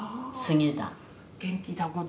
元気だこと。